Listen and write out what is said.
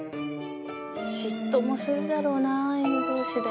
嫉妬もするだろうな犬同士で。